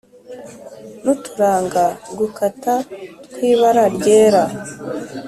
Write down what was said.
n'uturanga gukata tw'ibara ryera.